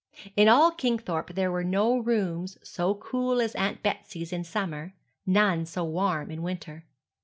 In all Kingthorpe there were no rooms so cool as Aunt Betsy's in summer none so warm in winter.